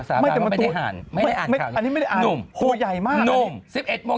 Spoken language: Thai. โอ้ยเอาไก่เนี่ยไก่ชน